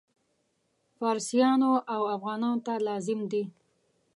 فارسیانو او افغانانو ته لازم دي.